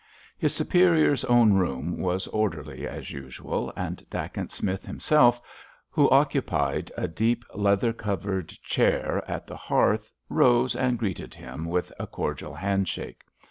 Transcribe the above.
His superior's own room was orderly as usual, and Dacent Smith himself, who occupied a deep leather covered chair at the hearth, rose and greeted him with a cordial handshake.